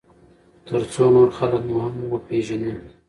ترڅو نور خلک مو هم وپیژني.